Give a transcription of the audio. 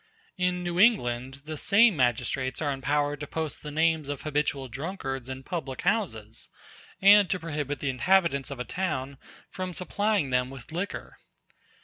In New England the same magistrates are empowered to post the names of habitual drunkards in public houses, and to prohibit the inhabitants of a town from supplying them with liquor.